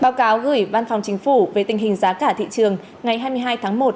báo cáo gửi văn phòng chính phủ về tình hình giá cả thị trường ngày hai mươi hai tháng một